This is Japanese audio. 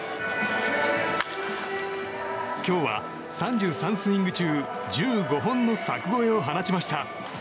今日は３３スイング中１５本の柵越えを放ちました。